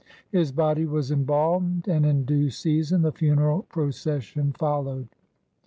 His body was embalmed, and in due season the funeral procession followed.